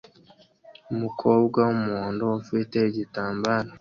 Umukobwa wumuhondo ufite igitambaro